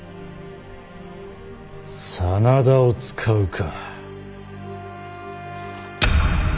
真田を使うか。